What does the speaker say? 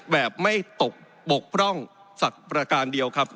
แบบไม่ตกบกพร่องสักประการเดียวครับ